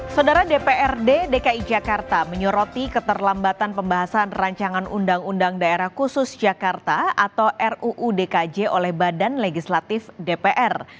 saudara dprd dki jakarta menyoroti keterlambatan pembahasan rancangan undang undang daerah khusus jakarta atau ruu dkj oleh badan legislatif dpr